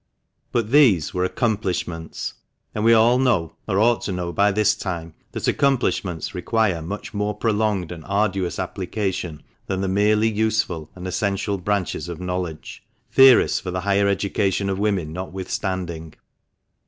But these were accomplishments, and we all know, or ought to know by this time, that accomplishments require much more prolonged and arduous application than the merely useful and essential branches of knowledge, theorists for the higher education of women notwithstanding.